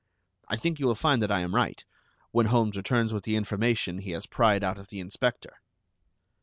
I think you will find that I am right, when Holmes returns with the information he has pried out of the Inspector."